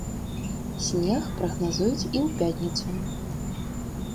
Снег прагназуюць і ў пятніцу.